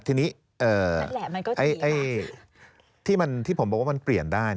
ทีนี้ไอ้ที่มันที่ผมบอกว่ามันเปลี่ยนได้